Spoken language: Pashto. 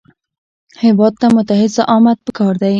هېواد ته متعهد زعامت پکار دی